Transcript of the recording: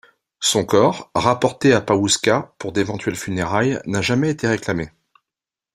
Son corps, rapporté à Pawhuska pour d'éventuelles funérailles, n'a jamais été réclamé.